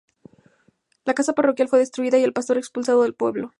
La casa parroquial fue destruida y el pastor expulsado del pueblo.